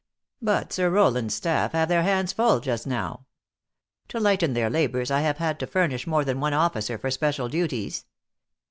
But Sir Rowland s staff have their hands full just now. To lighten their labors, I have had to furnish more than one officer for special duties.